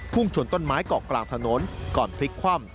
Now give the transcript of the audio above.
ชนต้นไม้เกาะกลางถนนก่อนพลิกคว่ำ